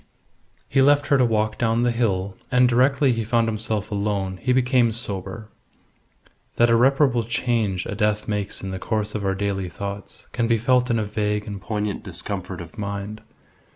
He left her to walk down the hill, and directly he found himself alone he became sober. That irreparable change a death makes in the course of our daily thoughts can be felt in a vague and poignant discomfort of mind.